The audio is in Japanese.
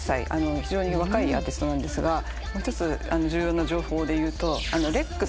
非常に若いアーティストなんですがもう一つ重要な情報でいうとＬＥＸ。